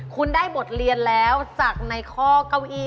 คุณได้บทเรียนแล้วจากในข้อเก้าอี้